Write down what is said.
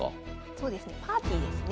そうですねパーティーですね。